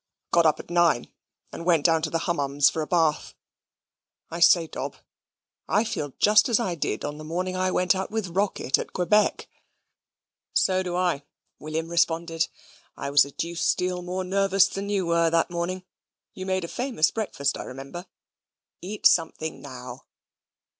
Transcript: Got up at nine, and went down to the Hummums for a bath. I say, Dob, I feel just as I did on the morning I went out with Rocket at Quebec." "So do I," William responded. "I was a deuced deal more nervous than you were that morning. You made a famous breakfast, I remember. Eat something now."